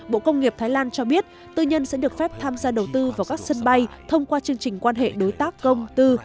bộ công nghiệp thái lan cho biết tư nhân sẽ được phép tham gia đầu tư vào các sân bay thông qua chương trình quan hệ đối tác công tư